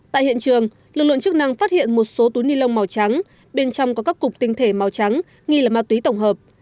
tại hiện trường lực lượng chức năng phát hiện một số túi ni lông màu trắng bên trong có các cục tinh thể màu trắng nghi là ma túy tổng hợp